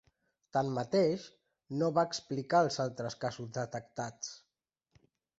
Tanmateix, no va explicar els altres casos detectats.